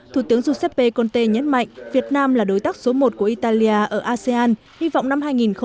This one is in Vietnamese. thủ tướng giuseppe conte nhấn mạnh việt nam là đối tác số một của italia ở asean hy vọng năm